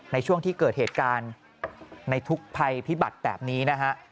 ในช่วงที่เกิดเหตุการณ์ในทุกภัยพิบัติแบบนี้นะฮะ